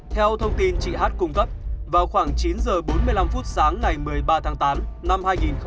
theo thông tin chị hát cung cấp vào khoảng chín h bốn mươi năm phút sáng ngày một mươi ba tháng tám năm hai nghìn một mươi chín